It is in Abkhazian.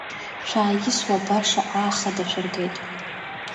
Шәааисуа баша ааха дашәыргеит…